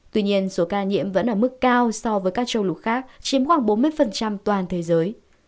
tuy nhiên số ca nhiễm vẫn ở mức cao so với các châu lục khác chiếm khoảng bốn mươi toàn thế giới